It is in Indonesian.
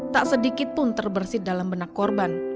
tak sedikit pun terbersih dalam benak korban